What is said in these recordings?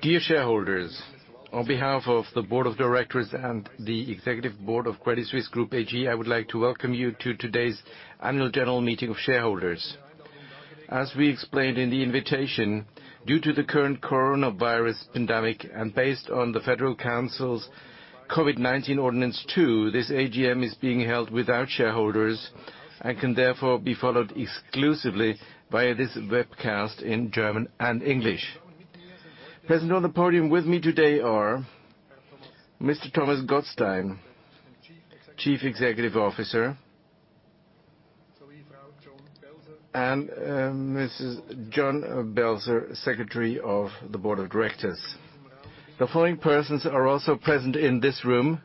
Dear shareholders. On behalf of the board of directors and the executive board of Credit Suisse Group AG, I would like to welcome you to today's annual general meeting of shareholders. As we explained in the invitation, due to the current coronavirus pandemic and based on the Federal Council's COVID-19 Ordinance two, this AGM is being held without shareholders and can therefore be followed exclusively via this webcast in German and English. Present on the podium with me today are Mr. Thomas Gottstein, Chief Executive Officer, and Mrs. Joan Belzer, Secretary of the Board of Directors. The following persons are also present in this room: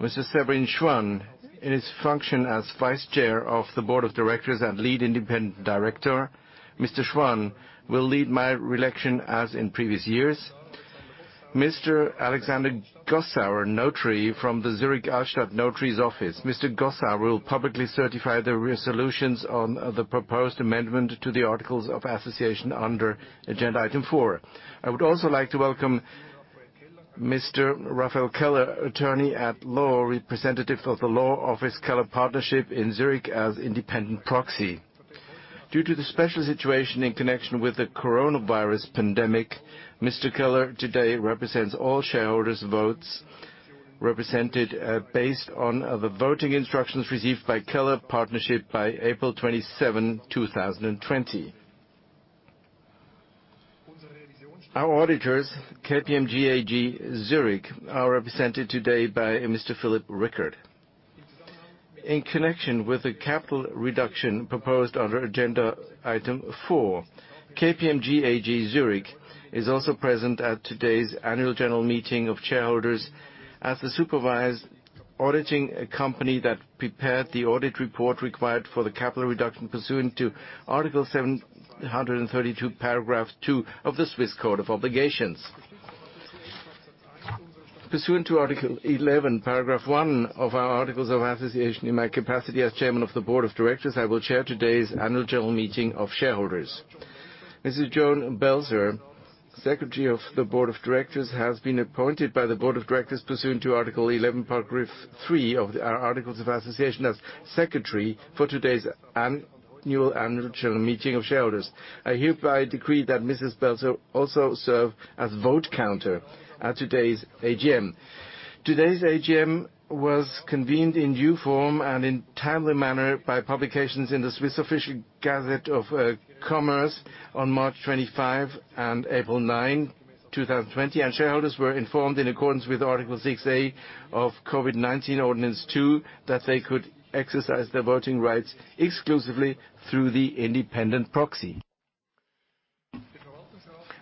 Mr. Severin Schwan, in his function as Vice Chair of the Board of Directors and Lead Independent Director. Mr. Schwan will lead my reelection as in previous years. Mr. Alexander Gossauer, Notary from the Zurich Altstadt Notary's Office. Mr. Gossauer will publicly certify the resolutions on the proposed amendment to the articles of association under Agenda Item four. I would also like to welcome Mr. Raphael Keller, attorney at law, representative of the law office Anwaltskanzlei Keller KLG in Zurich as independent proxy. Due to the special situation in connection with the coronavirus pandemic, Mr. Keller today represents all shareholders' votes, represented based on the voting instructions received by Anwaltskanzlei Keller KLG by April 27, 2020. Our auditors, KPMG AG Zurich, are represented today by Mr. Philip Rickard. In connection with the capital reduction proposed under Agenda Item four, KPMG AG Zurich is also present at today's annual general meeting of shareholders as the supervised auditing company that prepared the audit report required for the capital reduction pursuant to Article 732, Paragraph two of the Swiss Code of Obligations. Pursuant to Article 11, Paragraph one of our articles of association, in my capacity as chairman of the board of directors, I will chair today's annual general meeting of shareholders. Mrs. Joan Belzer, secretary of the board of directors, has been appointed by the board of directors pursuant to Article 11, Paragraph three of our articles of association as secretary for today's annual general meeting of shareholders. I hereby decree that Mrs. Belzer also serve as vote counter at today's AGM. Today's AGM was convened in due form and in timely manner by publications in the Swiss Official Gazette of Commerce on March 25 and April 9, 2020, and shareholders were informed in accordance with Article 6A of COVID-19 Ordinance two that they could exercise their voting rights exclusively through the independent proxy.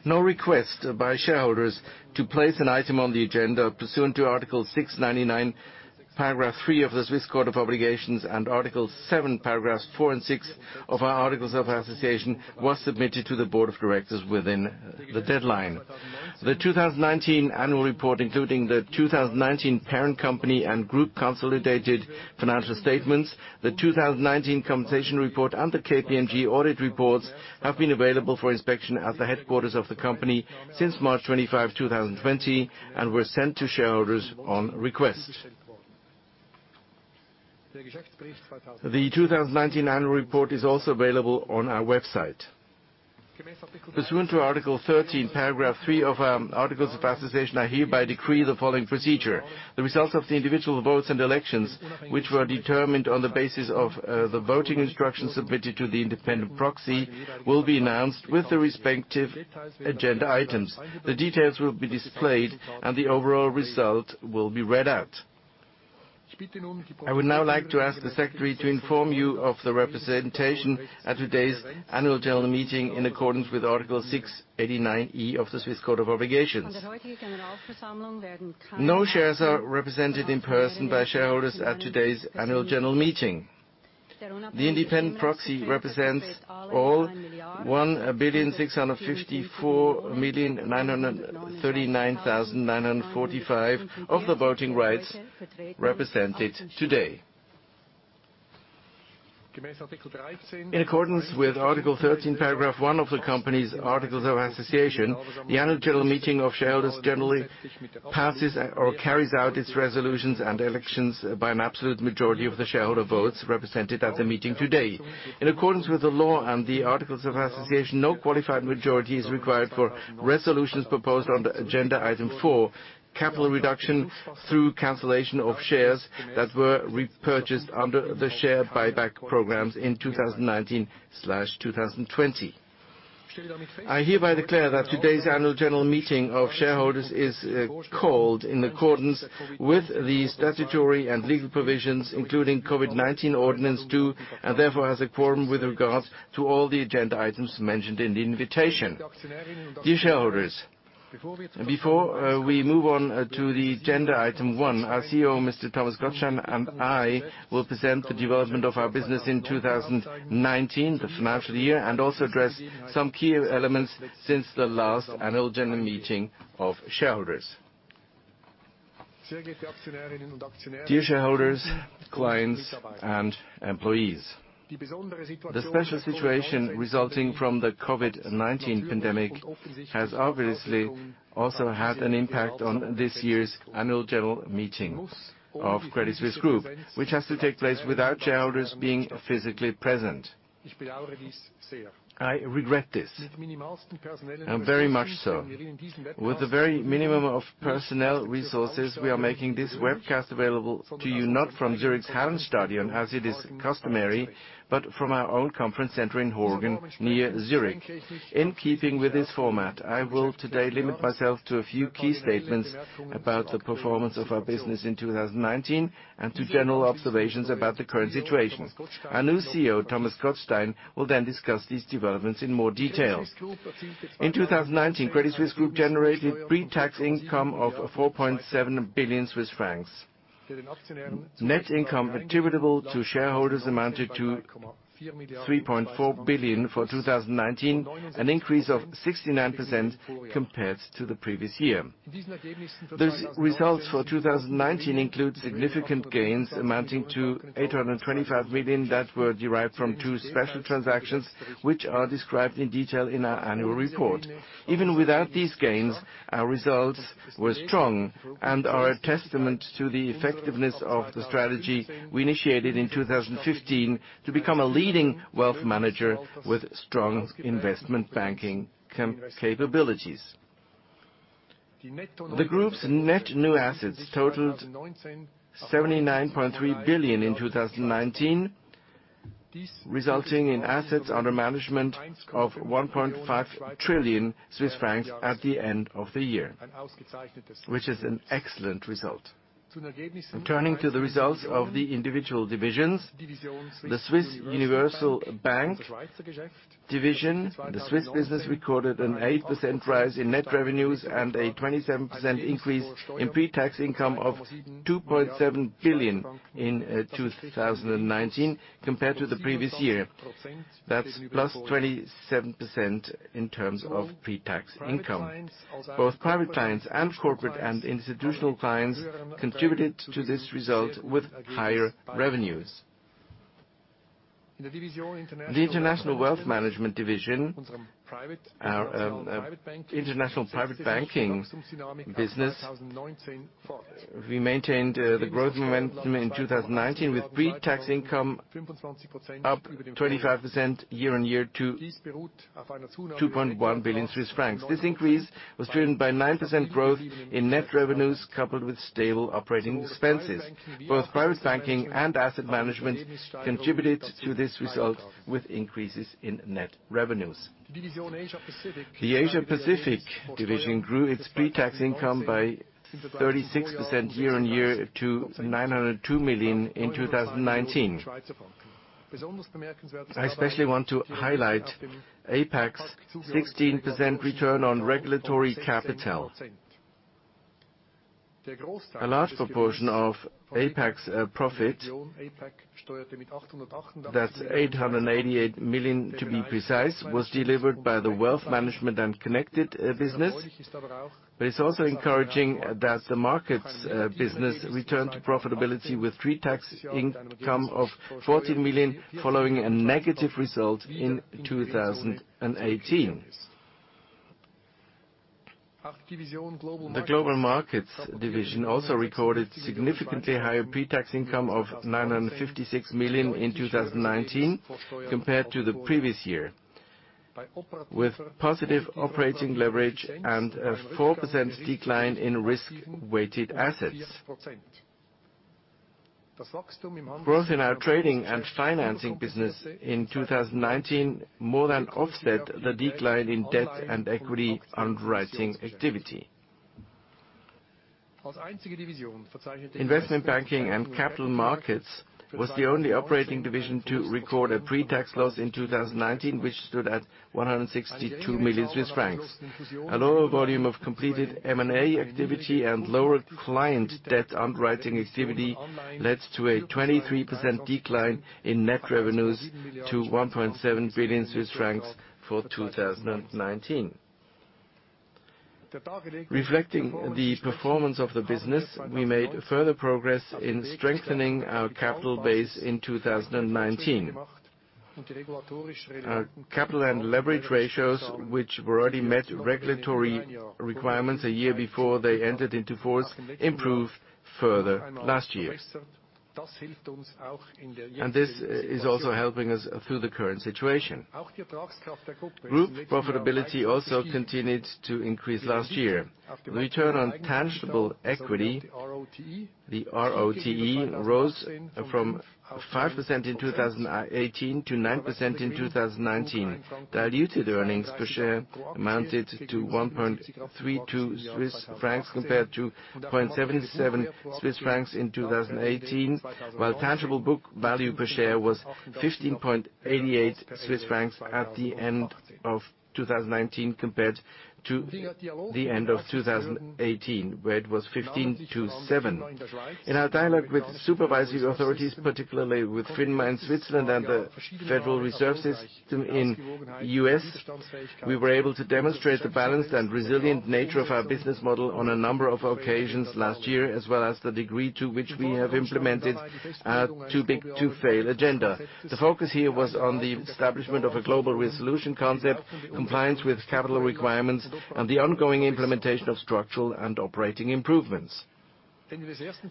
No request by shareholders to place an item on the agenda pursuant to Article 699, Paragraph three of the Swiss Code of Obligations and Article seven, Paragraphs four and six of our articles of association was submitted to the board of directors within the deadline. The 2019 annual report, including the 2019 parent company and group consolidated financial statements, the 2019 compensation report, and the KPMG audit reports have been available for inspection at the headquarters of the company since March 25, 2020, and were sent to shareholders on request. The 2019 annual report is also available on our website. Pursuant to Article 13, Paragraph three of our articles of association, I hereby decree the following procedure. The results of the individual votes and elections, which were determined on the basis of the voting instructions submitted to the independent proxy, will be announced with the respective agenda items. The details will be displayed, and the overall result will be read out. I would now like to ask the secretary to inform you of the representation at today's annual general meeting in accordance with Article 689E of the Swiss Code of Obligations. No shares are represented in person by shareholders at today's annual general meeting. The independent proxy represents all 1,654,939,945 of the voting rights represented today. In accordance with Article 13, Paragraph one of the company's articles of association, the annual general meeting of shareholders generally passes or carries out its resolutions and elections by an absolute majority of the shareholder votes represented at the meeting today. In accordance with the law and the articles of association, no qualified majority is required for resolutions proposed under Agenda Item four, capital reduction through cancellation of shares that were repurchased under the share buyback programs in 2019/2020. I hereby declare that today's annual general meeting of shareholders is called in accordance with the statutory and legal provisions, including COVID-19 Ordinance two, and therefore has a quorum with regards to all the agenda items mentioned in the invitation. Dear shareholders, before we move on to Agenda Item one, our CEO, Mr. Thomas Gottstein, and I will present the development of our business in 2019, the financial year, and also address some key elements since the last annual general meeting of shareholders. Dear shareholders, clients, and employees. The special situation resulting from the COVID-19 pandemic has obviously also had an impact on this year's annual general meeting of Credit Suisse Group, which has to take place without shareholders being physically present. I regret this. Very much so. With the very minimum of personnel resources, we are making this webcast available to you, not from Zurich's Hardturm stadium as it is customary, but from our own conference center in Horgen, near Zurich. In keeping with this format, I will today limit myself to a few key statements about the performance of our business in 2019 and to general observations about the current situation. Our new CEO, Thomas Gottstein, will then discuss these developments in more detail. In 2019, Credit Suisse Group generated pre-tax income of 4.7 billion Swiss francs. Net income attributable to shareholders amounted to 3.4 billion for 2019, an increase of 69% compared to the previous year. These results for 2019 include significant gains amounting to 825 million that were derived from two special transactions, which are described in detail in our annual report. Even without these gains, our results were strong and are a testament to the effectiveness of the strategy we initiated in 2015 to become a leading wealth manager with strong investment banking capabilities. The group's net new assets totaled 79.3 billion in 2019, resulting in assets under management of 1.5 trillion Swiss francs at the end of the year, which is an excellent result. In turning to the results of the individual divisions, the Swiss Universal Bank division, the Swiss business, recorded an eight percent rise in net revenues and a 27% increase in pre-tax income of 2.7 billion in 2019 compared to the previous year. That's plus 27% in terms of pre-tax income. Both private clients and corporate and institutional clients contributed to this result with higher revenues. The International Wealth Management division, our international private banking business, we maintained the growth momentum in 2019 with pre-tax income up 25% year-on-year to 2.1 billion Swiss francs. This increase was driven by nine percent growth in net revenues coupled with stable operating expenses. Both private banking and asset management contributed to this result with increases in net revenues. The Asia Pacific division grew its pre-tax income by 36% year-on-year to 902 million in 2019. I especially want to highlight APAC's 16% return on regulatory capital. The last proportion of APAC's profit, that's 888 million to be precise, was delivered by the wealth management and connected business. It's also encouraging that the markets business returned to profitability with pre-tax income of 14 million following a negative result in 2018. The Global Markets division also recorded significantly higher pre-tax income of 956 million in 2019 compared to the previous year. With positive operating leverage and a four percent decline in risk-weighted assets. Growth in our trading and financing business in 2019 more than offset the decline in debt and equity underwriting activity. Investment Banking & Capital Markets was the only operating division to record a pre-tax loss in 2019, which stood at 162 million Swiss francs. A lower volume of completed M&A activity and lower client debt underwriting activity led to a 23% decline in net revenues to 1.7 billion Swiss francs for 2019. Reflecting the performance of the business, we made further progress in strengthening our capital base in 2019. Our capital and leverage ratios, which already met regulatory requirements a year before they entered into force, improved further last year. This is also helping us through the current situation. Group profitability also continued to increase last year. The return on tangible equity, the RoTE, rose from five percent in 2018 to nine percent in 2019. Diluted earnings per share amounted to 1.32 Swiss francs compared to 0.77 Swiss francs in 2018. While tangible book value per share was 15.88 Swiss francs at the end of 2019 compared to the end of 2018, where it was 15.27. In our dialogue with supervising authorities, particularly with FINMA in Switzerland and the Federal Reserve System in the U.S., we were able to demonstrate the balanced and resilient nature of our business model on a number of occasions last year, as well as the degree to which we have implemented our too big to fail agenda. The focus here was on the establishment of a global resolution concept, compliance with capital requirements, and the ongoing implementation of structural and operating improvements.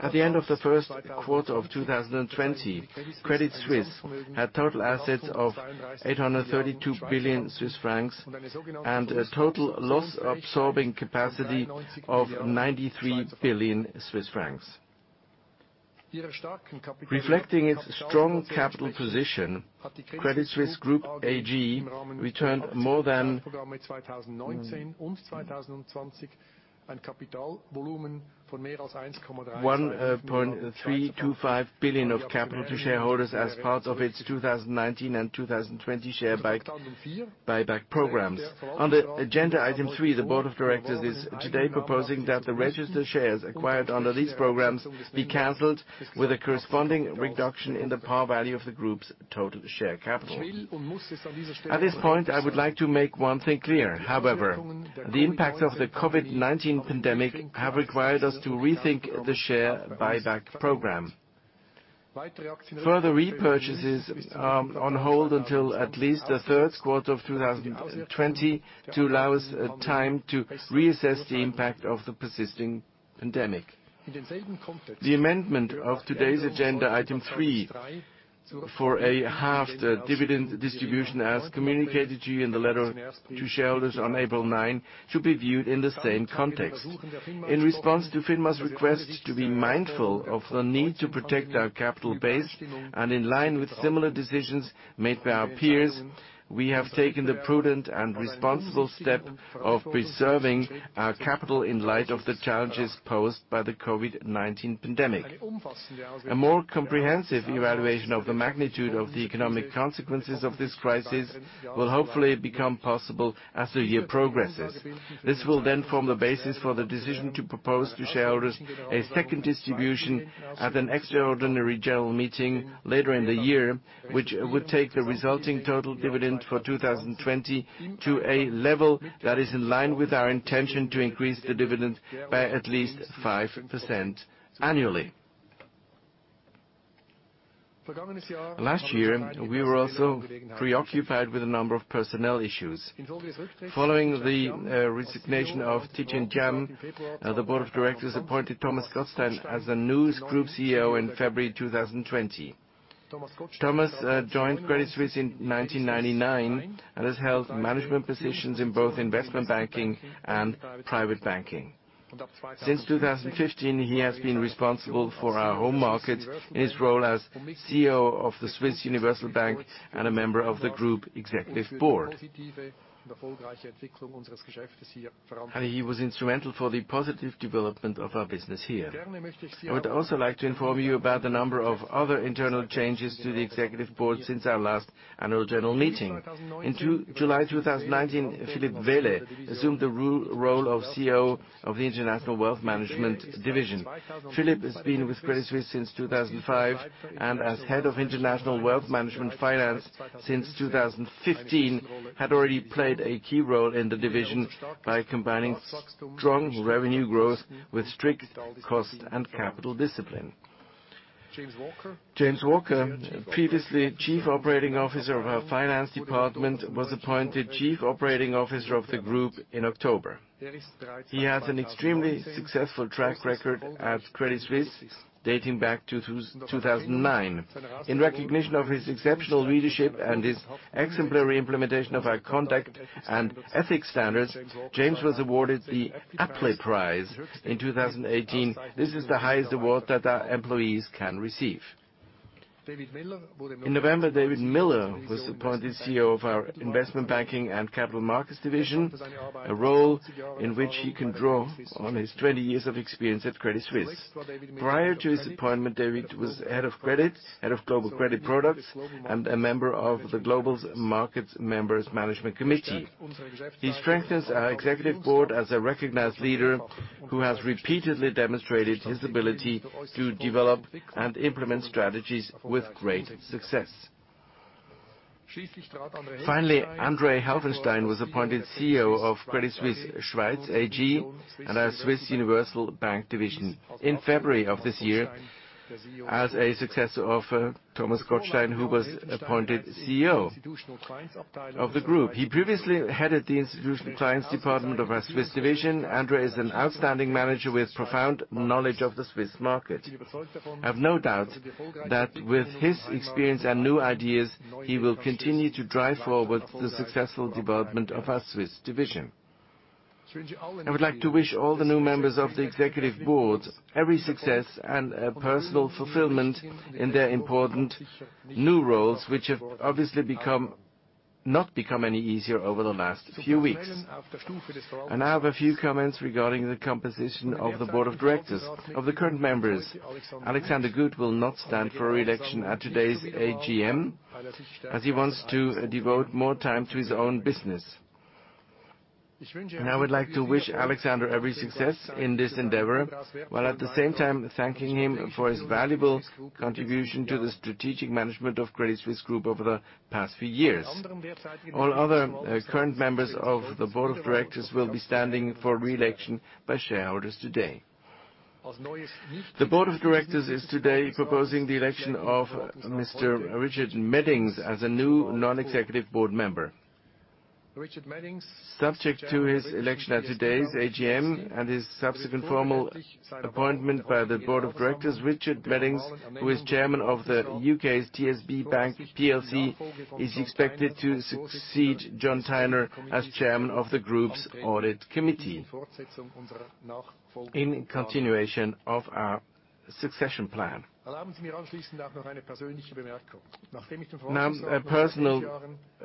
At the end of the Q1 of 2020, Credit Suisse had total assets of 832 billion Swiss francs and a total loss-absorbing capacity of 93 billion Swiss francs. Reflecting its strong capital position, Credit Suisse Group AG returned more than 1.325 billion of capital to shareholders as part of its 2019 and 2020 share buyback programs. On the agenda item three, the board of directors is today proposing that the registered shares acquired under these programs be canceled with a corresponding reduction in the par value of the group's total share capital. At this point, I would like to make one thing clear, however. The impacts of the COVID-19 pandemic have required us to rethink the share buyback program. Further repurchases are on hold until at least the third quarter of 2020 to allow us time to reassess the impact of the persisting pandemic. The amendment of today's agenda item three for a halved dividend distribution, as communicated to you in the letter to shareholders on April 9, should be viewed in the same context. In response to FINMA's request to be mindful of the need to protect our capital base and in line with similar decisions made by our peers, we have taken the prudent and responsible step of preserving our capital in light of the challenges posed by the COVID-19 pandemic. A more comprehensive evaluation of the magnitude of the economic consequences of this crisis will hopefully become possible as the year progresses. This will then form the basis for the decision to propose to shareholders a second distribution at an extraordinary general meeting later in the year, which would take the resulting total dividend for 2020 to a level that is in line with our intention to increase the dividend by at least five percent annually. Last year, we were also preoccupied with a number of personnel issues. Following the resignation of Tidjane Thiam, the Board of Directors appointed Thomas Gottstein as the new Group CEO in February 2020. Thomas joined Credit Suisse in 1999 and has held management positions in both investment banking and private banking. Since 2015, he has been responsible for our home markets in his role as CEO of the Swiss Universal Bank and a member of the Group Executive Board. He was instrumental for the positive development of our business here. I would also like to inform you about the number of other internal changes to the executive board since our last annual general meeting. In July 2019, Philipp Wehle assumed the role of CEO of the International Wealth Management Division. Philipp has been with Credit Suisse since 2005 and as Head of International Wealth Management Finance since 2015, had already played a key role in the division by combining strong revenue growth with strict cost and capital discipline. James Walker, previously Chief Operating Officer of our finance department, was appointed Chief Operating Officer of the group in October. He has an extremely successful track record at Credit Suisse dating back to 2009. In recognition of his exceptional leadership and his exemplary implementation of our conduct and ethics standards, James was awarded the Appleby Prize in 2018. This is the highest award that our employees can receive. In November, David Miller was appointed CEO of our Investment Banking and Capital Markets division, a role in which he can draw on his 20 years of experience at Credit Suisse. Prior to his appointment, David was Head of Credit, Head of Global Credit Products, and a member of the Global Markets Management Committee. He strengthens our executive board as a recognized leader who has repeatedly demonstrated his ability to develop and implement strategies with great success. Finally, André Helfenstein was appointed CEO of Credit Suisse (Schweiz) AG and our Swiss Universal Bank division in February of this year as a successor of Thomas Gottstein, who was appointed CEO of the group. He previously headed the Institutional Clients Department of our Swiss division. André is an outstanding manager with profound knowledge of the Swiss market. I have no doubt that with his experience and new ideas, he will continue to drive forward the successful development of our Swiss division. I would like to wish all the new members of the executive board every success and personal fulfillment in their important new roles, which have obviously not become any easier over the last few weeks. I have a few comments regarding the composition of the board of directors. Of the current members, Alexander Gut will not stand for re-election at today's AGM as he wants to devote more time to his own business. I would like to wish Alexander every success in this endeavor, while at the same time thanking him for his valuable contribution to the strategic management of Credit Suisse Group over the past few years. All other current members of the board of directors will be standing for re-election by shareholders today. The board of directors is today proposing the election of Mr. Richard Meddings as a new non-executive board member. Richard Meddings, subject to his election at today's AGM and his subsequent formal appointment by the board of directors, Richard Meddings, who is chairman of the U.K.'s TSB Bank plc, is expected to succeed John Tiner as chairman of the group's audit committee in continuation of our succession plan. A personal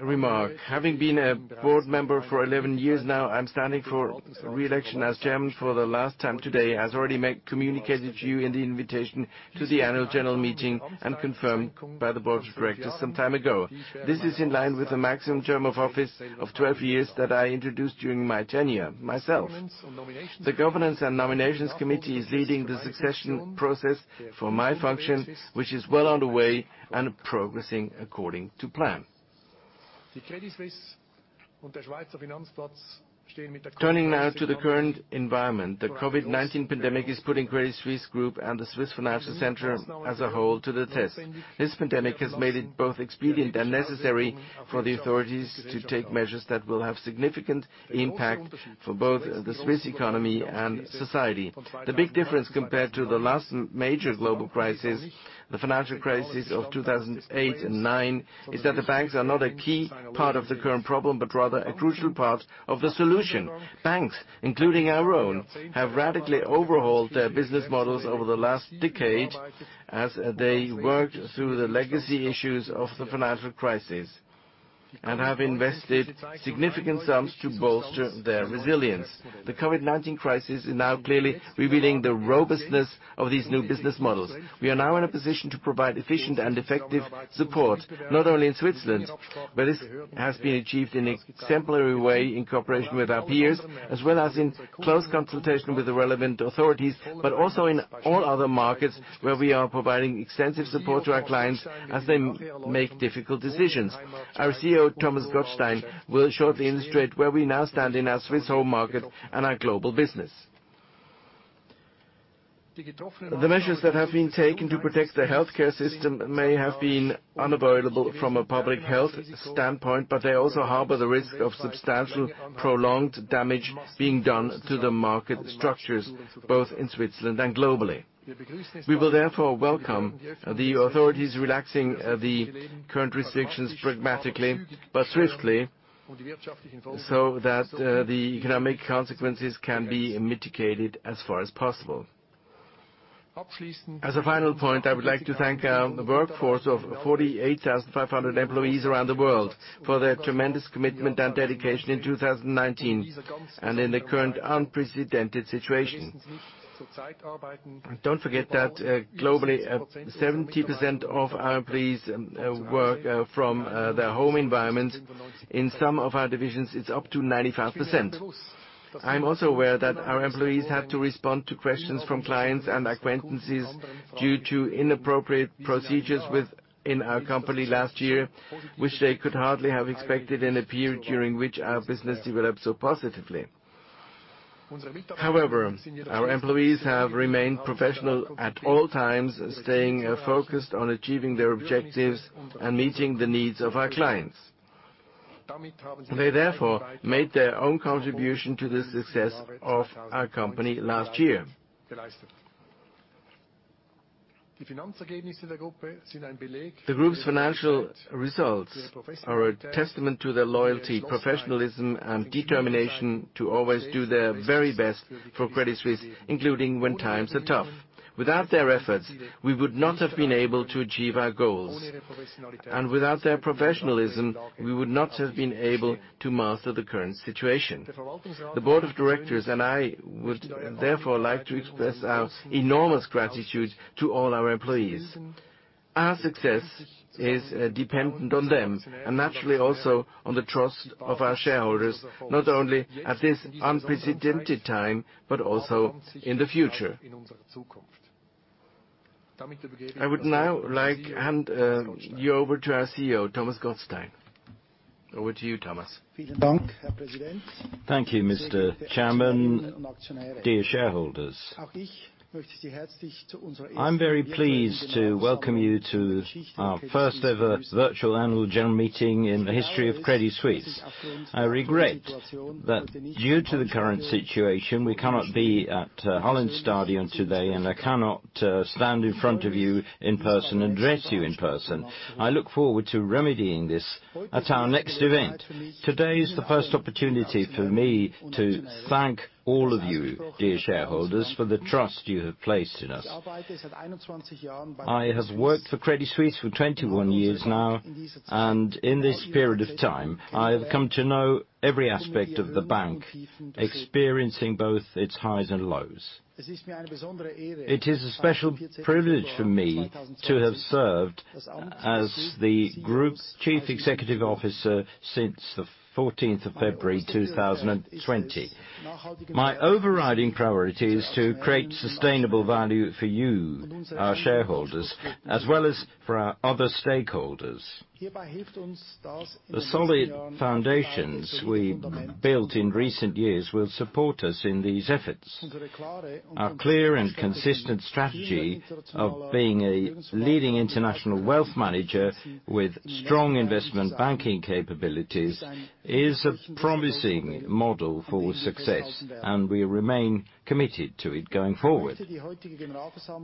remark. Having been a board member for 11 years now, I'm standing for re-election as chairman for the last time today, as I already communicated to you in the invitation to the annual general meeting and confirmed by the board of directors some time ago. This is in line with the maximum term of office of 12 years that I introduced during my tenure myself. The governance and nominations committee is leading the succession process for my function, which is well underway and progressing according to plan. Turning now to the current environment, the COVID-19 pandemic is putting Credit Suisse Group and the Swiss Financial Center as a whole to the test. This pandemic has made it both expedient and necessary for the authorities to take measures that will have significant impact for both the Swiss economy and society. The big difference compared to the last major global crisis, the financial crisis of 2008 and 2009, is that the banks are not a key part of the current problem, but rather a crucial part of the solution. Banks, including our own, have radically overhauled their business models over the last decade as they worked through the legacy issues of the financial crisis and have invested significant sums to bolster their resilience. The COVID-19 crisis is now clearly revealing the robustness of these new business models. We are now in a position to provide efficient and effective support, not only in Switzerland, where this has been achieved in an exemplary way, in cooperation with our peers, as well as in close consultation with the relevant authorities, but also in all other markets where we are providing extensive support to our clients as they make difficult decisions. Our CEO, Thomas Gottstein, will shortly illustrate where we now stand in our Swiss home market and our global business. The measures that have been taken to protect the healthcare system may have been unavoidable from a public health standpoint, but they also harbor the risk of substantial, prolonged damage being done to the market structures, both in Switzerland and globally. We will therefore welcome the authorities relaxing the current restrictions pragmatically but swiftly, so that the economic consequences can be mitigated as far as possible. As a final point, I would like to thank our workforce of 48,500 employees around the world for their tremendous commitment and dedication in 2019, and in the current unprecedented situation. Don't forget that globally, 70% of our employees work from their home environments. In some of our divisions, it's up to 95%. I am also aware that our employees have to respond to questions from clients and acquaintances due to inappropriate procedures within our company last year, which they could hardly have expected in a period during which our business developed so positively. However, our employees have remained professional at all times, staying focused on achieving their objectives and meeting the needs of our clients. They therefore made their own contribution to the success of our company last year. The group's financial results are a testament to their loyalty, professionalism, and determination to always do their very best for Credit Suisse, including when times are tough. Without their efforts, we would not have been able to achieve our goals. Without their professionalism, we would not have been able to master the current situation. The board of directors and I would therefore like to express our enormous gratitude to all our employees. Our success is dependent on them, and naturally also on the trust of our shareholders, not only at this unprecedented time, but also in the future. I would now like hand you over to our CEO Thomas Gottstein. Over to you, Thomas. Thank you, Mr. Chairman. Dear shareholders. I'm very pleased to welcome you to our first-ever virtual annual general meeting in the history of Credit Suisse. I regret that due to the current situation, we cannot be at Hallenstadion today, and I cannot stand in front of you in person and address you in person. I look forward to remedying this at our next event. Today is the first opportunity for me to thank all of you, dear shareholders, for the trust you have placed in us. I have worked for Credit Suisse for 21 years now, and in this period of time, I have come to know every aspect of the bank, experiencing both its highs and lows. It is a special privilege for me to have served as the Group Chief Executive Officer since the February 14th, 2020. My overriding priority is to create sustainable value for you, our shareholders, as well as for our other stakeholders. The solid foundations we built in recent years will support us in these efforts. Our clear and consistent strategy of being a leading international wealth manager with strong investment banking capabilities is a promising model for success, and we remain committed to it going forward.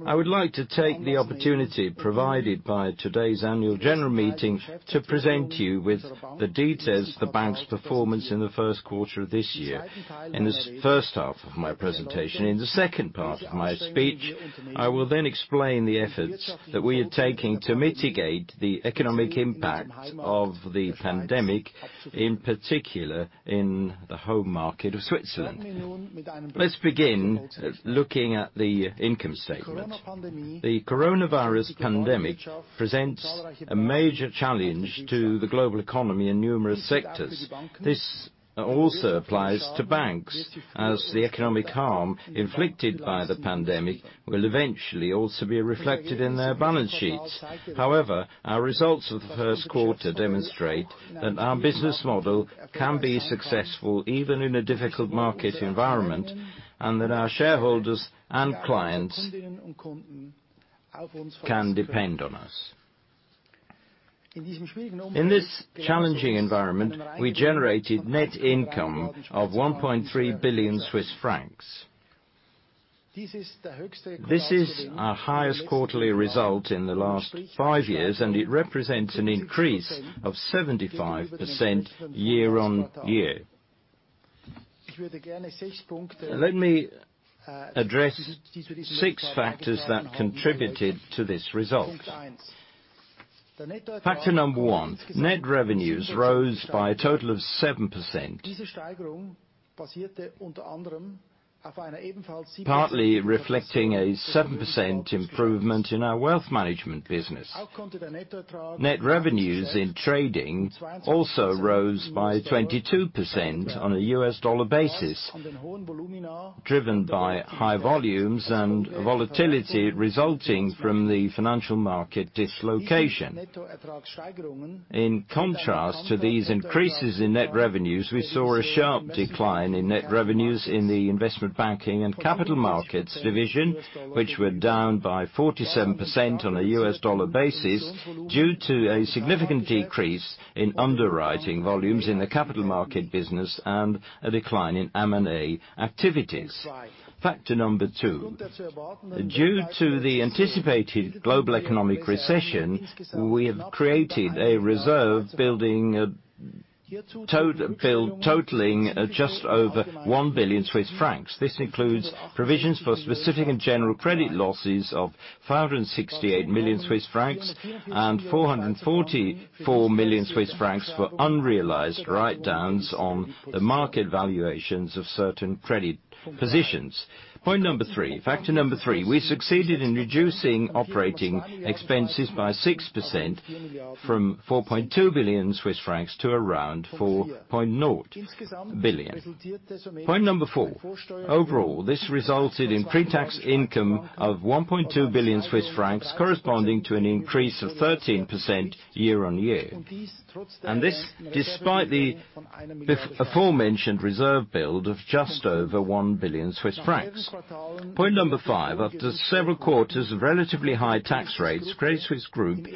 I would like to take the opportunity provided by today's annual general meeting to present you with the details of the bank's performance in the first quarter of this year in this first half of my presentation. In the second part of my speech, I will explain the efforts that we are taking to mitigate the economic impact of the pandemic, in particular in the home market of Switzerland. Let's begin looking at the income statement. The coronavirus pandemic presents a major challenge to the global economy in numerous sectors. This also applies to banks, as the economic harm inflicted by the pandemic will eventually also be reflected in their balance sheets. However, our results for the Q1 demonstrate that our business model can be successful even in a difficult market environment, and that our shareholders and clients can depend on us. In this challenging environment, we generated net income of 1.3 billion Swiss francs. This is our highest quarterly result in the last five years, and it represents an increase of 75% year-over-year. Let me address six factors that contributed to this result. Factor number one, net revenues rose by a total of seven percent, partly reflecting a seven percent improvement in our wealth management business. Net revenues in trading also rose by 22% on a US dollar basis, driven by high volumes and volatility resulting from the financial market dislocation. In contrast to these increases in net revenues, we saw a sharp decline in net revenues in the Investment Banking & Capital Markets division, which were down by 47% on a US dollar basis due to a significant decrease in underwriting volumes in the capital market business and a decline in M&A activities. Factor two, due to the anticipated global economic recession, we have created a reserve build totaling just over 1 billion Swiss francs. This includes provisions for specific and general credit losses of 568 million Swiss francs and 444 million Swiss francs for unrealized write-downs on the market valuations of certain credit positions. Factor number three, we succeeded in reducing operating expenses by six percent, from 4.2 billion Swiss francs to around 4.0 billion. Point number four, overall, this resulted in pre-tax income of 1.2 billion Swiss francs, corresponding to an increase of 13% year-on-year. This, despite the aforementioned reserve build of just over 1 billion Swiss francs. Point number five, after several quarters of relatively high tax rates, Credit Suisse Group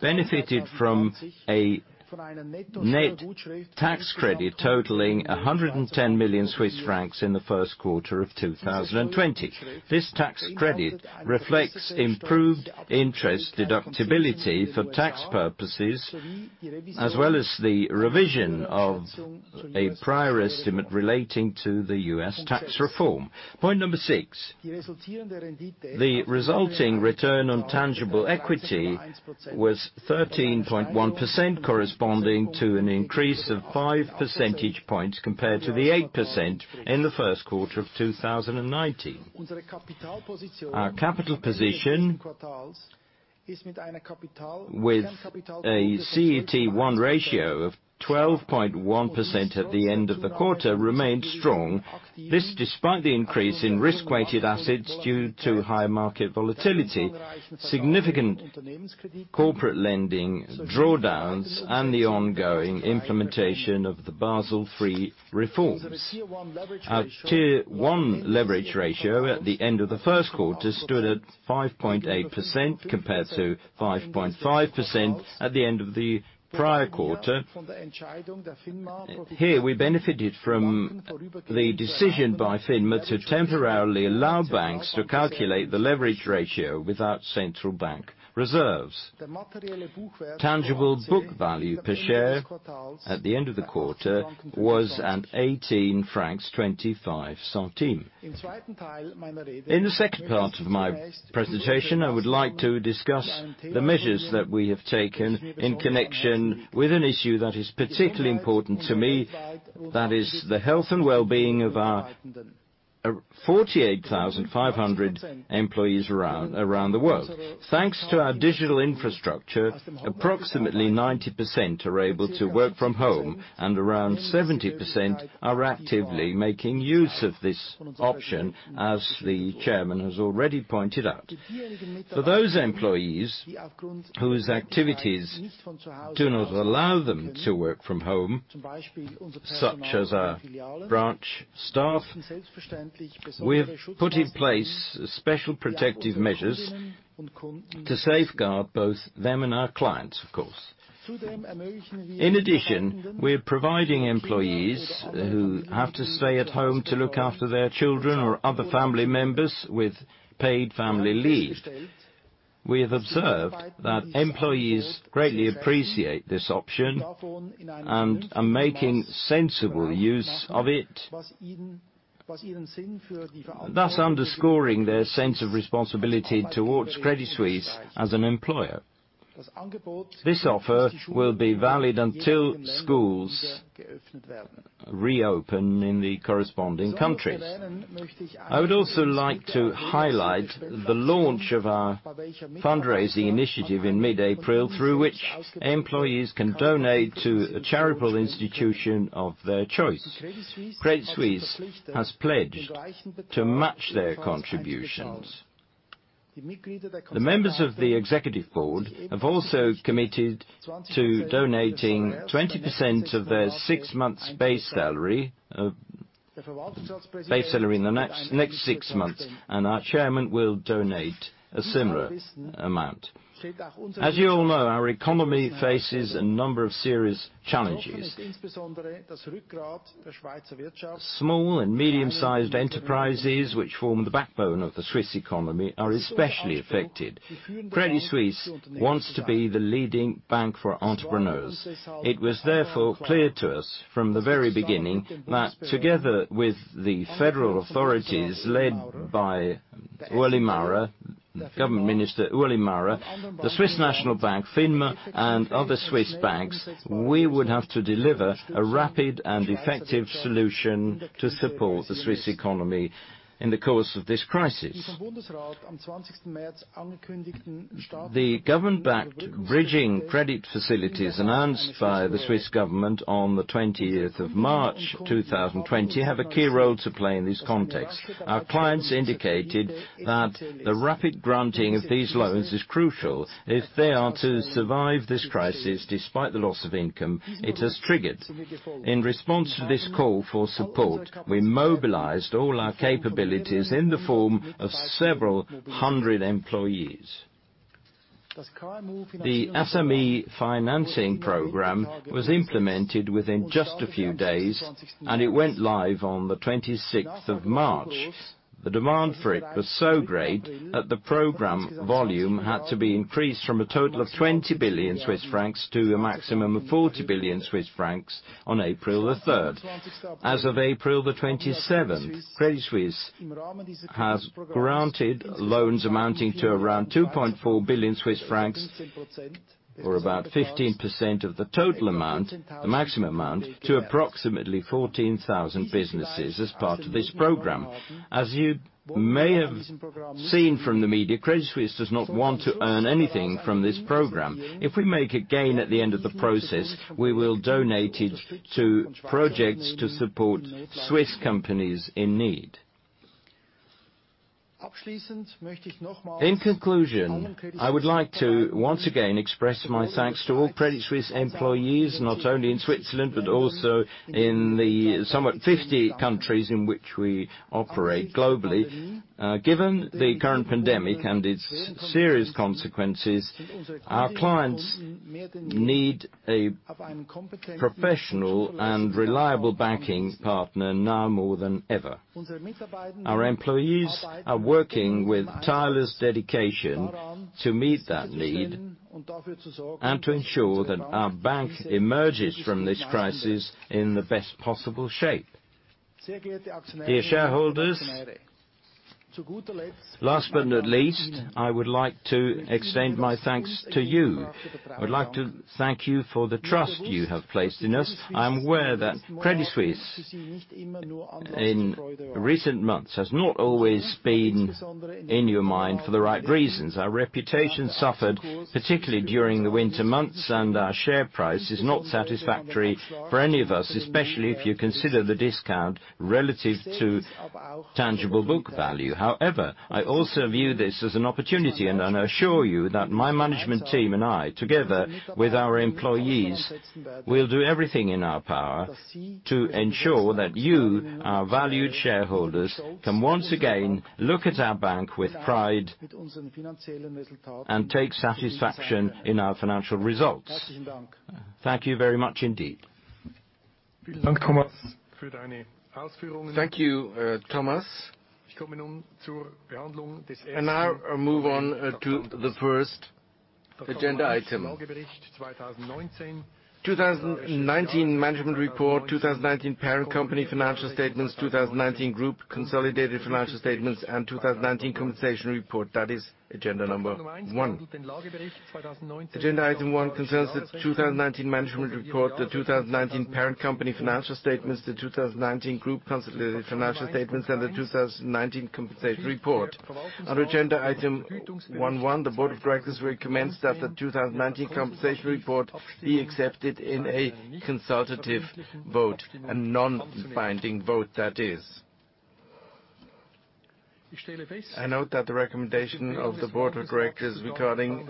benefited from a net tax credit totaling 110 million Swiss francs in the first quarter of 2020. This tax credit reflects improved interest deductibility for tax purposes, as well as the revision of a prior estimate relating to the U.S. tax reform. Point number 6, the resulting Return on Tangible Equity was 13.1%, corresponding to an increase of five percentage points compared to the eight percent in the Q1 of 2019. Our capital position, with a CET1 ratio of 12.1% at the end of the quarter, remained strong. This despite the increase in risk-weighted assets due to higher market volatility, significant corporate lending drawdowns, and the ongoing implementation of the Basel III reforms. Our Tier 1 leverage ratio at the end of the first quarter stood at 5.8% compared to 5.5% at the end of the prior quarter. Here, we benefited from the decision by FINMA to temporarily allow banks to calculate the leverage ratio without central bank reserves. Tangible book value per share at the end of the quarter was at 18.25 francs. In the second part of my presentation, I would like to discuss the measures that we have taken in connection with an issue that is particularly important to me. That is the health and well-being of our 48,500 employees around the world. Thanks to our digital infrastructure, approximately 90% are able to work from home, and around 70% are actively making use of this option, as the chairman has already pointed out. For those employees whose activities do not allow them to work from home, such as our branch staff, we have put in place special protective measures to safeguard both them and our clients, of course. In addition, we are providing employees who have to stay at home to look after their children or other family members with paid family leave. We have observed that employees greatly appreciate this option and are making sensible use of it, thus underscoring their sense of responsibility towards Credit Suisse as an employer. This offer will be valid until schools reopen in the corresponding countries. I would also like to highlight the launch of our fundraising initiative in mid-April, through which employees can donate to a charitable institution of their choice. Credit Suisse has pledged to match their contributions. The members of the Executive Board have also committed to donating 20% of their six months' base salary in the next six months, and our Chairman will donate a similar amount. As you all know, our economy faces a number of serious challenges. Small and medium-sized enterprises, which form the backbone of the Swiss economy, are especially affected. Credit Suisse wants to be the leading bank for entrepreneurs. It was therefore clear to us from the very beginning that together with the federal authorities led by Federal Councillor Ueli Maurer, the Swiss National Bank, FINMA, and other Swiss banks, we would have to deliver a rapid and effective solution to support the Swiss economy in the course of this crisis. The government-backed bridging credit facilities announced by the Swiss government on the March 20th, 2020, have a key role to play in this context. Our clients indicated that the rapid granting of these loans is crucial if they are to survive this crisis despite the loss of income it has triggered. In response to this call for support, we mobilized all our capabilities in the form of several hundred employees. The SME financing program was implemented within just a few days, and it went live on the March 26th. The demand for it was so great that the program volume had to be increased from a total of 20 billion Swiss francs to a maximum of 40 billion Swiss francs on April the 3rd. As of April the 27th, Credit Suisse has granted loans amounting to around 2.4 billion Swiss francs, or about 15% of the total amount, the maximum amount, to approximately 14,000 businesses as part of this program. As you may have seen from the media, Credit Suisse does not want to earn anything from this program. If we make a gain at the end of the process, we will donate it to projects to support Swiss companies in need. In conclusion, I would like to once again express my thanks to all Credit Suisse employees, not only in Switzerland, but also in the somewhat 50 countries in which we operate globally. Given the current pandemic and its serious consequences, our clients need a professional and reliable banking partner now more than ever. Our employees are working with tireless dedication to meet that need and to ensure that our bank emerges from this crisis in the best possible shape. Dear shareholders, last but not least, I would like to extend my thanks to you. I would like to thank you for the trust you have placed in us. I am aware that Credit Suisse in recent months has not always been in your mind for the right reasons. Our reputation suffered, particularly during the winter months, and our share price is not satisfactory for any of us, especially if you consider the discount relative to tangible book value. However, I also view this as an opportunity, and I assure you that my management team and I, together with our employees, will do everything in our power to ensure that you, our valued shareholders, can once again look at our bank with pride and take satisfaction in our financial results. Thank you very much indeed. Thank you, Thomas. Now I move on to the first agenda item. 2019 Management Report, 2019 Parent Company Financial Statements, 2019 Group Consolidated Financial Statements, and 2019 Compensation Report. That is agenda number one. Agenda item one concerns the 2019 Management Report, the 2019 Parent Company Financial Statements, the 2019 Group Consolidated Financial Statements, and the 2019 Compensation Report. Under agenda item 1.1, the Board of Directors recommends that the 2019 Compensation Report be accepted in a consultative vote, a non-binding vote, that is. I note that the recommendation of the Board of Directors regarding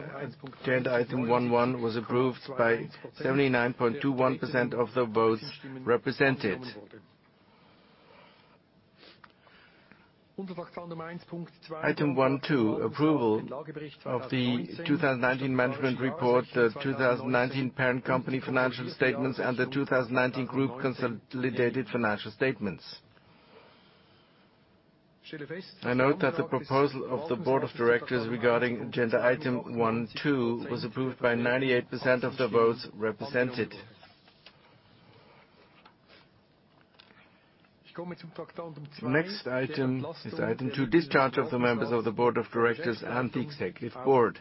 agenda item 1.1 was approved by 79.21% of the votes represented. Item 1.2, approval of the 2019 Management Report, the 2019 Parent Company Financial Statements, and the 2019 Group Consolidated Financial Statements. I note that the proposal of the Board of Directors regarding agenda item 1.2 was approved by 98% of the votes represented. The next item is item two, discharge of the members of the Board of Directors and the Executive Board.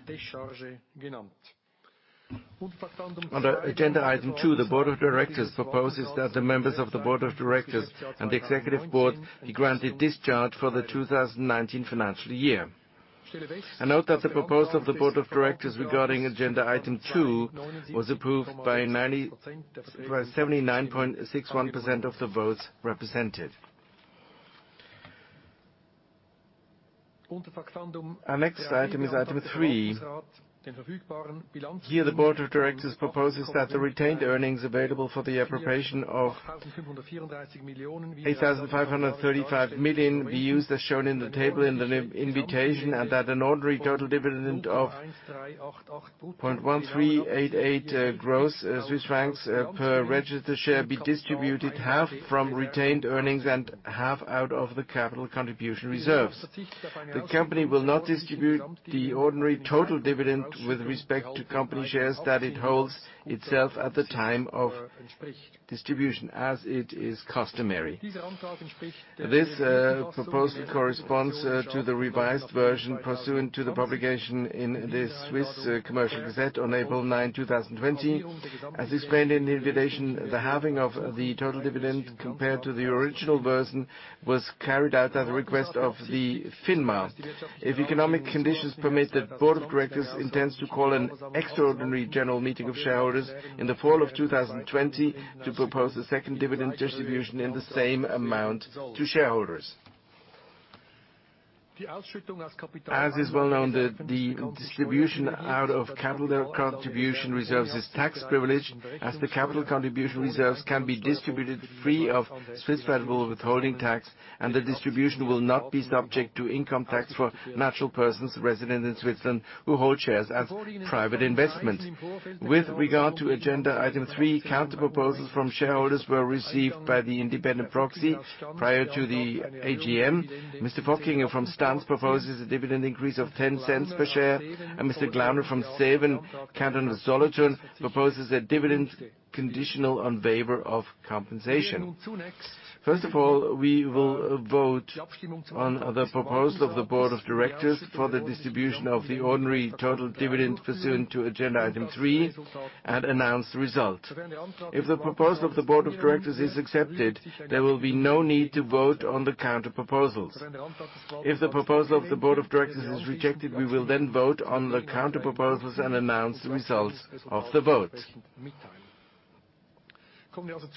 Under agenda item two, the Board of Directors proposes that the members of the Board of Directors and the Executive Board be granted discharge for the 2019 financial year. I note that the proposal of the Board of Directors regarding agenda item two was approved by 79.61% of the votes represented. Our next item is item three. Here the Board of Directors proposes that the retained earnings available for the appropriation of 8,535 million be used as shown in the table in the invitation, and that an ordinary total dividend of 0.1388 gross per registered share be distributed half from retained earnings and half out of the capital contribution reserves. The company will not distribute the ordinary total dividend with respect to company shares that it holds itself at the time of distribution, as it is customary. This proposal corresponds to the revised version pursuant to the publication in the Swiss Official Gazette of Commerce on April 9, 2020. As explained in the invitation, the halving of the total dividend compared to the original version was carried out at the request of the FINMA. If economic conditions permit, the board of directors intends to call an extraordinary general meeting of shareholders in the fall of 2020 to propose a second dividend distribution in the same amount to shareholders. As is well-known, the distribution out of capital contribution reserves is tax privileged as the capital contribution reserves can be distributed free of Swiss federal withholding tax, and the distribution will not be subject to income tax for natural persons resident in Switzerland who hold shares as private investments. With regard to agenda item three, counter proposals from shareholders were received by the independent proxy prior to the AGM. Mr. Fokkinga from Stans proposes a dividend increase of 0.10 per share, and Mr. Glauner from Seewen, Canton of Solothurn proposes a dividend conditional on waiver of compensation. First of all, we will vote on the proposal of the board of directors for the distribution of the ordinary total dividend pursuant to agenda item three and announce the result. If the proposal of the board of directors is accepted, there will be no need to vote on the counter proposals. If the proposal of the board of directors is rejected, we will then vote on the counter proposals and announce the results of the vote.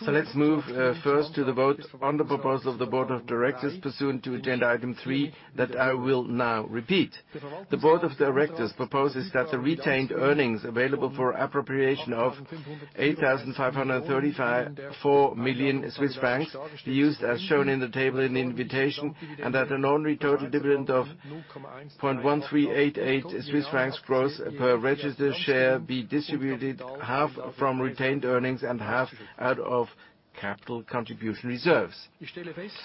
Let's move first to the vote on the proposal of the board of directors pursuant to agenda item three that I will now repeat. The board of directors proposes that the retained earnings available for appropriation of 8,534 million Swiss francs be used as shown in the table in the invitation, and that an ordinary total dividend of 0.1388 Swiss francs gross per registered share be distributed half from retained earnings and half out of capital contribution reserves.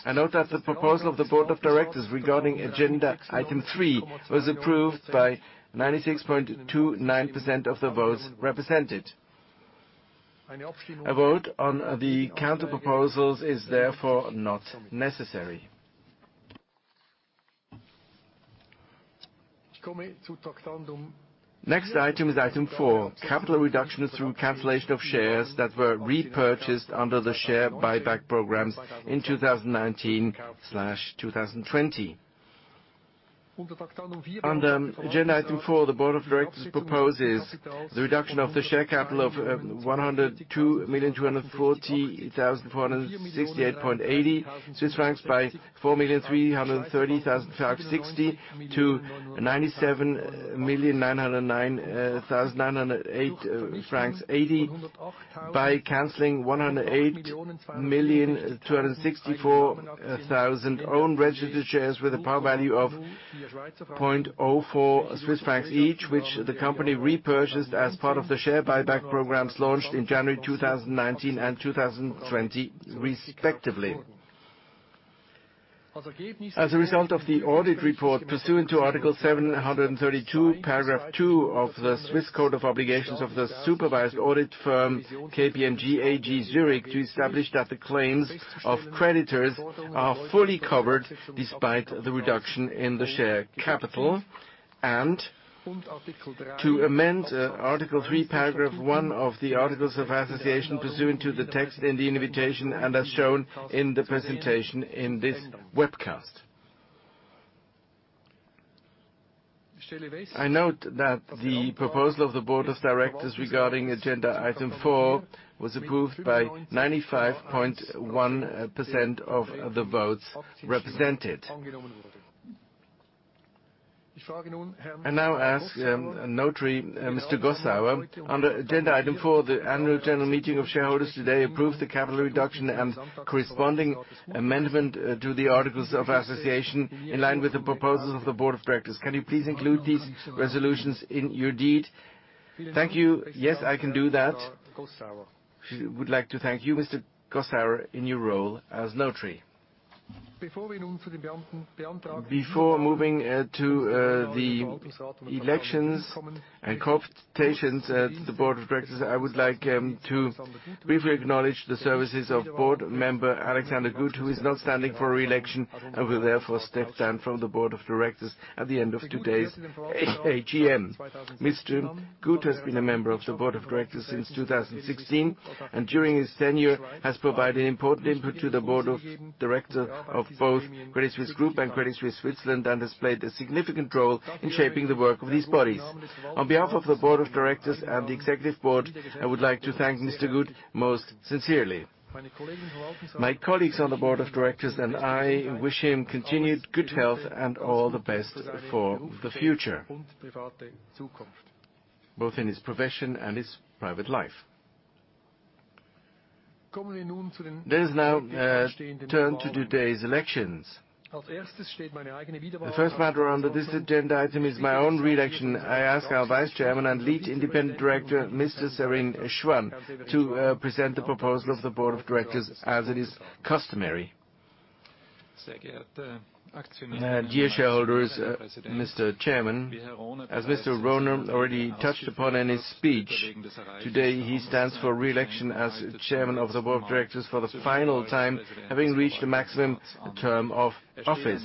I note that the proposal of the board of directors regarding agenda item three was approved by 96.29% of the votes represented. A vote on the counter proposals is therefore not necessary. Next item is item four, capital reduction through cancellation of shares that were repurchased under the Share Buyback Programs in 2019/2020. Under agenda item four, the board of directors proposes the reduction of the share capital of 102,240,468.80 Swiss francs by 4,330,560 - 97,909,908.80 by canceling 108,264,000 own registered shares with a par value of 0.04 Swiss francs each, which the company repurchased as part of the Share Buyback Programs launched in January 2019 and 2020, respectively. As a result of the audit report pursuant to Article 732, Paragraph two of the Swiss Code of Obligations of the supervised audit firm KPMG AG Zurich to establish that the claims of creditors are fully covered despite the reduction in the share capital, and to amend Article three, Paragraph one of the articles of association pursuant to the text in the invitation and as shown in the presentation in this webcast. I note that the proposal of the Board of Directors regarding agenda item four was approved by 95.1% of the votes represented. I now ask Notary Mr. Gossauer, under agenda item four, the Annual General Meeting of Shareholders today approved the capital reduction and corresponding amendment to the Articles of Association in line with the proposals of the Board of Directors. Can you please include these resolutions in your deed? Thank you. Yes, I can do that. We would like to thank you, Mr. Gossauer, in your role as notary. Before moving to the elections and compositions of the Board of Directors, I would like to briefly acknowledge the services of Board member Alexander Gut, who is not standing for re-election and will therefore step down from the Board of Directors at the end of today's AGM. Mr. Gut has been a member of the board of directors since 2016, and during his tenure has provided important input to the board of directors of both Credit Suisse Group and Credit Suisse Switzerland, and has played a significant role in shaping the work of these bodies. On behalf of the board of directors and the executive board, I would like to thank Mr. Gut most sincerely. My colleagues on the board of directors and I wish him continued good health and all the best for the future. Both in his profession and his private life. Let us now turn to today's elections. The first matter under this agenda item is my own re-election. I ask our Vice Chairman and Lead Independent Director, Mr. Severin Schwan, to present the proposal of the Board of Directors as it is customary. Dear shareholders, Mr. Chairman. As Mr. Rohner already touched upon in his speech today, he stands for re-election as Chairman of the Board of Directors for the final time, having reached the maximum term of office.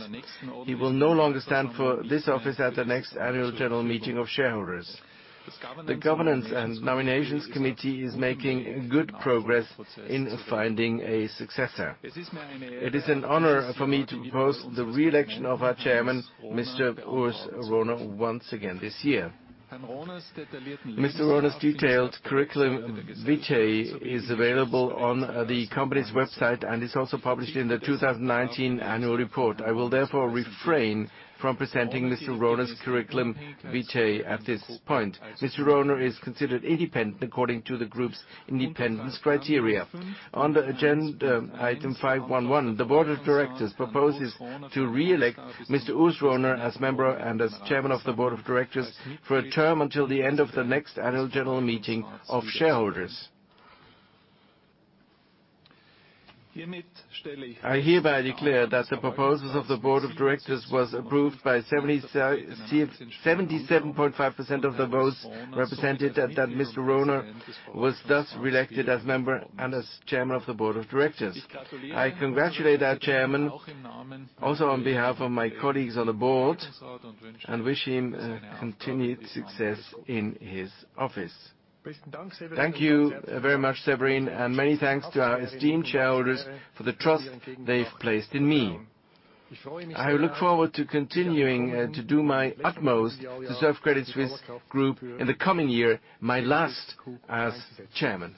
He will no longer stand for this office at the next annual general meeting of shareholders. The Governance and Nominations Committee is making good progress in finding a successor. It is an honor for me to propose the re-election of our chairman, Mr. Urs Rohner, once again this year. Mr. Rohner's detailed curriculum vitae is available on the company's website and is also published in the 2019 annual report. I will therefore refrain from presenting Mr. Rohner's curriculum vitae at this point. Mr. Rohner is considered independent according to the group's independence criteria. On the agenda item 5.1.1, the Board of Directors proposes to re-elect Mr. Urs Rohner as member and as Chairman of the Board of Directors for a term until the end of the next annual general meeting of shareholders. I hereby declare that the proposals of the Board of Directors was approved by 77.5% of the votes represented and that Mr. Rohner was thus re-elected as member and as Chairman of the Board of Directors. I congratulate our Chairman also on behalf of my colleagues on the board, and wish him continued success in his office. Thank you very much, Severin, and many thanks to our esteemed shareholders for the trust they've placed in me. I look forward to continuing to do my utmost to serve Credit Suisse Group in the coming year, my last as chairman.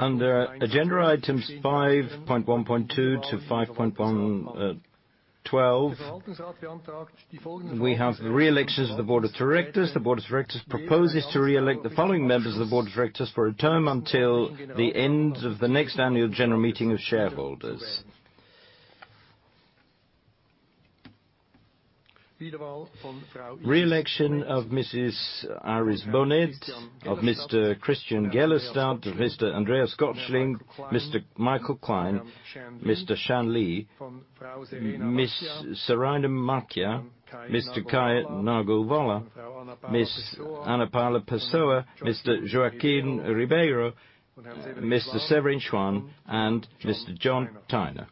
Under agenda items 5.1.2 - 5.1.12, we have the re-elections of the Board of Directors. The Board of Directors proposes to re-elect the following members of the Board of Directors for a term until the end of the next annual general meeting of shareholders. Re-election of Mrs. Iris Bohnet, of Mr. Christian Gellerstad, of Mr. Andreas Gottschling, Mr. Michael Klein, Mr. Shan Li, Ms. Seraina Macia, Mr. Kai Nargolwala, Ms. Ana Paula Pessoa, Mr. Joaquin Ribeiro, Mr. Severin Schwan, and Mr. John Tiner.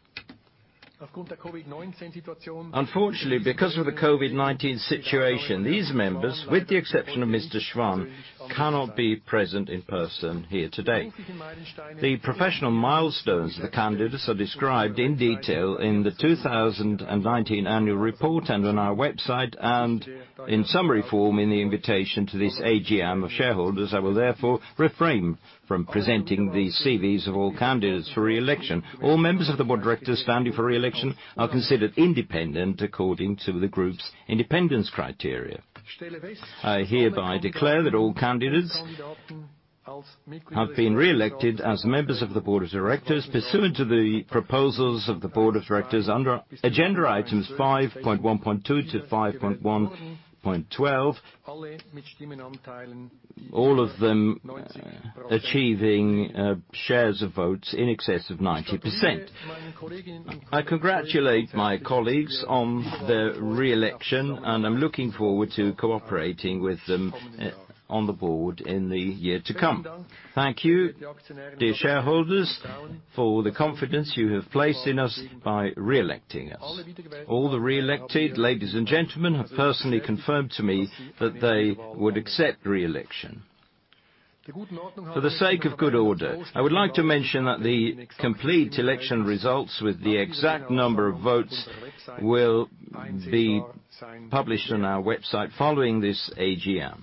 Unfortunately, because of the COVID-19 situation, these members, with the exception of Mr. Schwan, cannot be present in person here today. The professional milestones of the candidates are described in detail in the 2019 annual report and on our website, and in summary form in the invitation to this AGM of shareholders. I will therefore refrain from presenting the CVs of all candidates for re-election. All members of the Board of Directors standing for re-election are considered independent according to the group's independence criteria. I hereby declare that all candidates have been re-elected as members of the Board of Directors pursuant to the proposals of the Board of Directors under agenda items 5.1.2 - 5.1.12, all of them achieving shares of votes in excess of 90%. I congratulate my colleagues on their re-election, and I'm looking forward to cooperating with them on the board in the year to come. Thank you, dear shareholders, for the confidence you have placed in us by re-electing us. All the re-elected ladies and gentlemen have personally confirmed to me that they would accept re-election. For the sake of good order, I would like to mention that the complete election results with the exact number of votes will be published on our website following this AGM.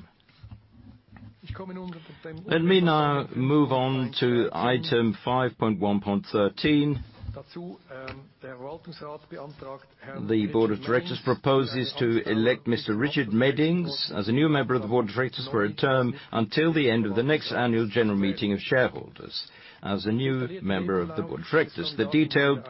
Let me now move on to item 5.1.13. The Board of Directors proposes to elect Mr. Richard Meddings as a new member of the Board of Directors for a term until the end of the next annual general meeting of shareholders as a new member of the Board of Directors. The detailed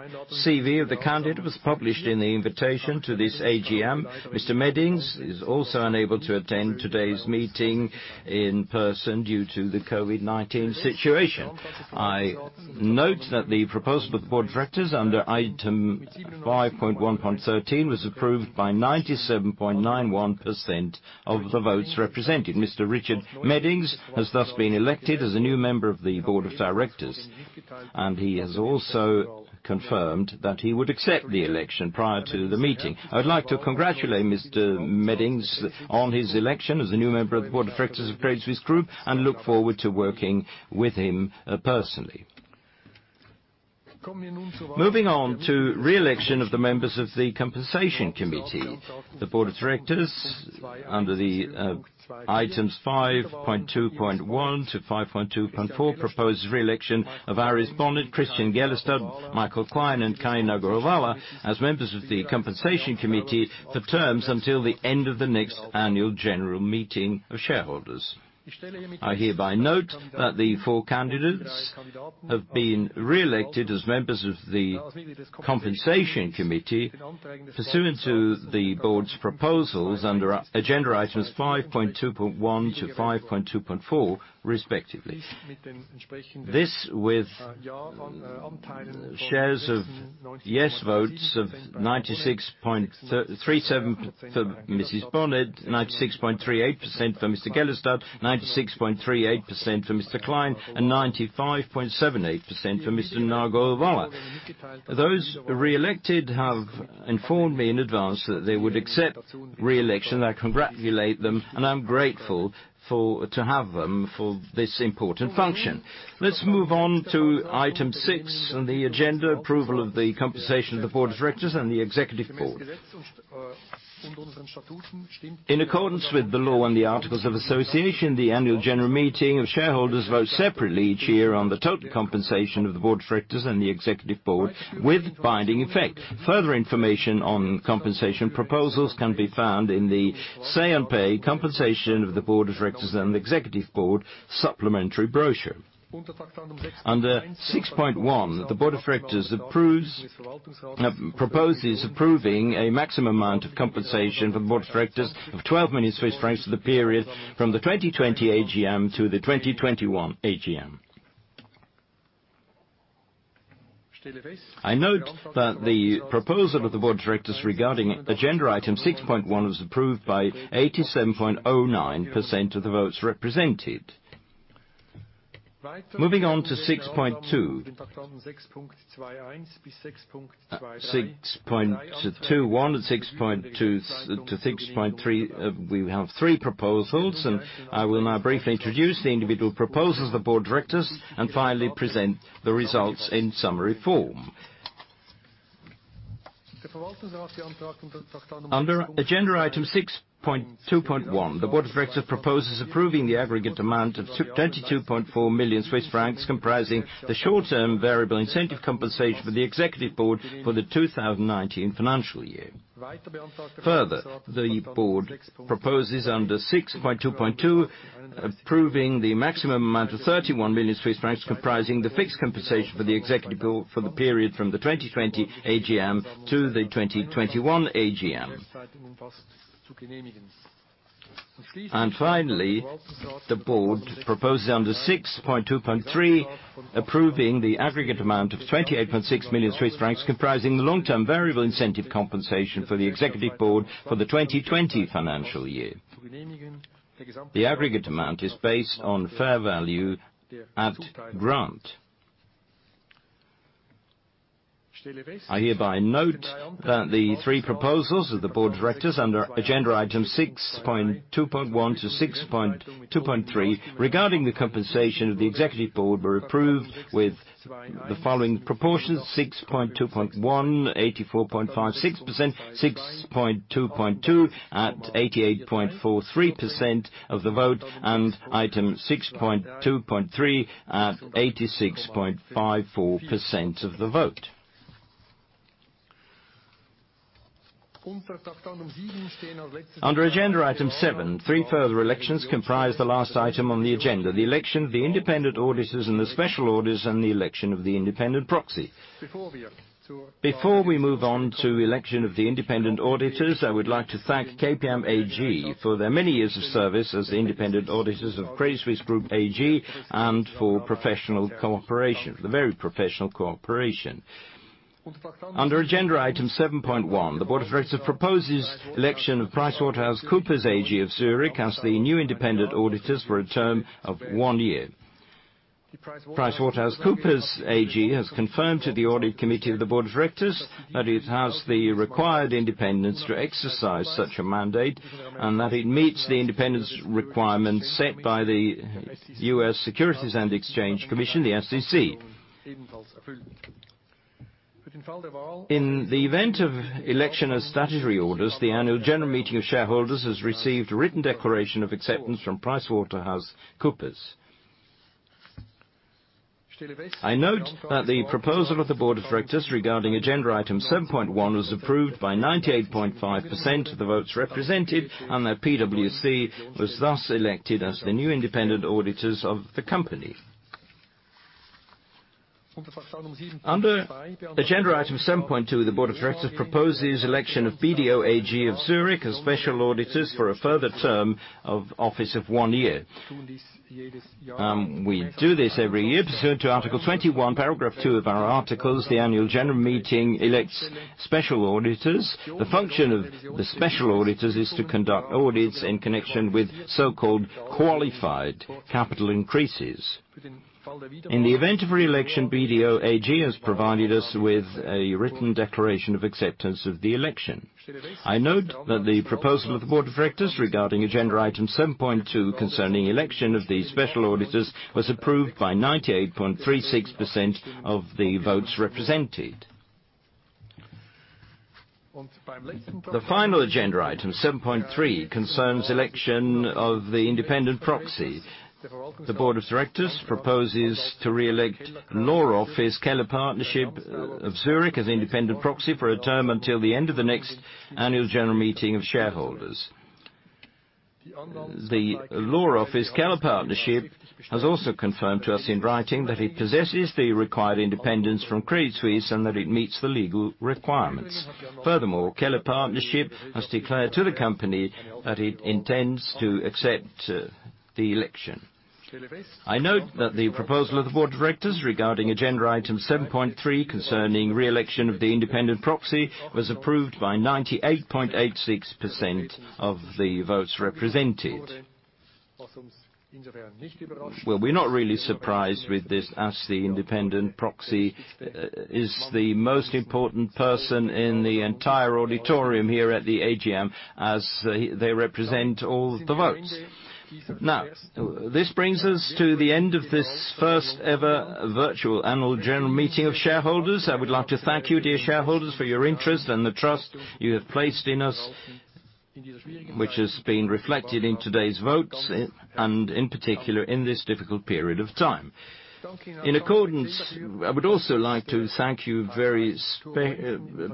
CV of the candidate was published in the invitation to this AGM. Mr. Meddings is also unable to attend today's meeting in person due to the COVID-19 situation. I note that the proposal for the Board of Directors under item 5.1.13 was approved by 97.91% of the votes represented. Mr. Richard Meddings has thus been elected as a new member of the Board of Directors. He has also confirmed that he would accept the election prior to the meeting. I would like to congratulate Mr. Meddings on his election as a new member of the Board of Directors of Credit Suisse Group and look forward to working with him personally. Moving on to re-election of the members of the Compensation Committee. The Board of Directors under the items 5.2.1 - 5.2.4 proposed re-election of Iris Bohnet, Christian Gellerstad, Michael Klein, and Kai Nargolwala as members of the Compensation Committee for terms until the end of the next annual general meeting of shareholders. I hereby note that the four candidates have been re-elected as members of the Compensation Committee pursuant to the Board's proposals under agenda items 5.2.1 - 5.2.4 respectively. This with shares of yes votes of 96.37% for Iris Bohnet, 96.38% for Christian Gellerstad, 96.38% for Mr. Klein, and 95.78% for Mr. Nargolwala. Those re-elected have informed me in advance that they would accept re-election. I congratulate them, and I'm grateful to have them for this important function. Let's move on to item six on the agenda, approval of the compensation of the board of directors and the executive board. In accordance with the law and the articles of association, the annual general meeting of shareholders vote separately each year on the total compensation of the board of directors and the executive board with binding effect. Further information on compensation proposals can be found in the say and pay compensation of the board of directors and the executive board supplementary brochure. Under 6.1, the board of directors proposes approving a maximum amount of compensation for the board of directors of 12 million Swiss francs for the period from the 2020 AGM to the 2021 AGM. I note that the proposal of the board of directors regarding agenda item 6.1 was approved by 87.09% of the votes represented. Moving on to 6.2. 6.2.1 - 6.2.3, we have three proposals, and I will now briefly introduce the individual proposals of the board of directors and finally present the results in summary form. Under agenda item 6.2.1, the board of directors proposes approving the aggregate amount of 22.4 million Swiss francs, comprising the short-term variable incentive compensation for the executive board for the 2019 financial year. The board proposes under 6.2.2 approving the maximum amount of 31 million Swiss francs comprising the fixed compensation for the executive board for the period from the 2020 AGM to the 2021 AGM. The board proposes under 6.2.3 approving the aggregate amount of 28.6 million Swiss francs comprising the long-term variable incentive compensation for the executive board for the 2020 financial year. The aggregate amount is based on fair value at grant. I hereby note that the three proposals of the board of directors under agenda item 6.2.1 - 6.2.3 regarding the compensation of the executive board were approved with the following proportions: 6.2.1 84.56%, 6.2.2 at 88.43% of the vote, and item 6.2.3 at 86.54% of the vote. Under agenda item seven, three further elections comprise the last item on the agenda, the election of the independent auditors and the special auditors and the election of the independent proxy. Before we move on to election of the independent auditors, I would like to thank KPMG for their many years of service as independent auditors of Credit Suisse Group AG and for professional cooperation, the very professional cooperation. Under agenda item 7.1, the board of directors proposes election of PricewaterhouseCoopers AG of Zurich as the new independent auditors for a term of one year. PricewaterhouseCoopers AG has confirmed to the audit committee of the board of directors that it has the required independence to exercise such a mandate and that it meets the independence requirements set by the U.S. Securities and Exchange Commission, the SEC. In the event of election as statutory auditors, the annual general meeting of shareholders has received a written declaration of acceptance from PricewaterhouseCoopers. I note that the proposal of the board of directors regarding agenda item 7.1 was approved by 98.5% of the votes represented and that PwC was thus elected as the new independent auditors of the company. Under agenda item 7.2, the board of directors proposes election of BDO AG of Zurich as special auditors for a further term of office of one year. We do this every year pursuant to Article 21, Paragraph two of our articles, the annual general meeting elects special auditors. The function of the special auditors is to conduct audits in connection with so-called qualified capital increases. In the event of re-election, BDO AG has provided us with a written declaration of acceptance of the election. I note that the proposal of the board of directors regarding agenda item 7.2 concerning election of the special auditors was approved by 98.36% of the votes represented. The final agenda item, 7.3, concerns election of the independent proxy. The board of directors proposes to reelect Law Office Keller Partnership of Zurich as independent proxy for a term until the end of the next annual general meeting of shareholders. The Law Office Keller Partnership has also confirmed to us in writing that it possesses the required independence from Credit Suisse and that it meets the legal requirements. Furthermore, Keller Partnership has declared to the company that it intends to accept the election. I note that the proposal of the board of directors regarding agenda item 7.3, concerning re-election of the independent proxy, was approved by 98.86% of the votes represented. We're not really surprised with this, as the independent proxy is the most important person in the entire auditorium here at the AGM, as they represent all the votes. This brings us to the end of this first ever virtual annual general meeting of shareholders. I would like to thank you, dear shareholders, for your interest and the trust you have placed in us, which has been reflected in today's votes, and in particular, in this difficult period of time. I would also like to thank you very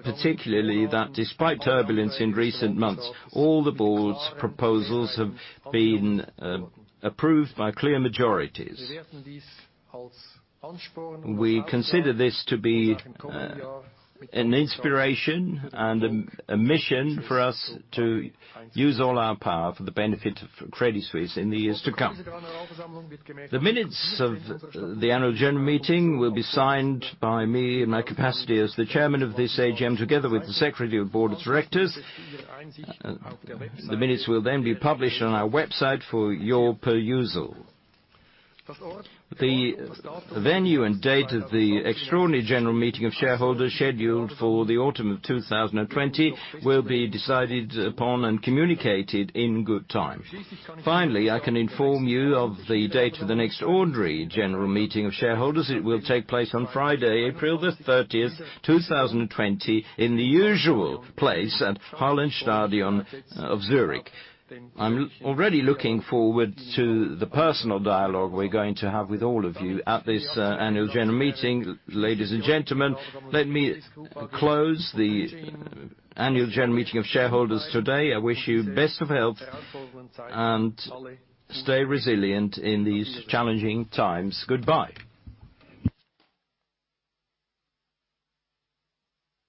particularly that despite turbulence in recent months, all the board's proposals have been approved by clear majorities. We consider this to be an inspiration and a mission for us to use all our power for the benefit of Credit Suisse in the years to come. The minutes of the annual general meeting will be signed by me in my capacity as the chairman of this AGM, together with the secretary of the board of directors. The minutes will then be published on our website for your perusal. The venue and date of the extraordinary general meeting of shareholders scheduled for the autumn of 2020 will be decided upon and communicated in good time. Finally, I can inform you of the date of the next ordinary general meeting of shareholders. It will take place on Friday, April the 30th, 2020, in the usual place at Hallenstadion of Zurich. I'm already looking forward to the personal dialogue we're going to have with all of you at this annual general meeting. Ladies and gentlemen, let me close the annual general meeting of shareholders today. I wish you best of health, and stay resilient in these challenging times. Goodbye.